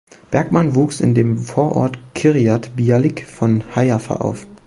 Bergman wuchs in dem Vorort Kiryat Bialik von Haifa auf.